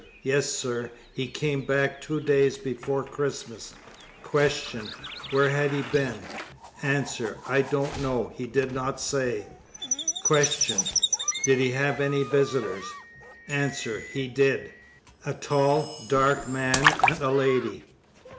Yes, sir. He came back two days before Christmas. Q. Where had he been? A. I don't know; he did not say. Q. Did he have any visitors? A. He did. A tall, dark man and a lady.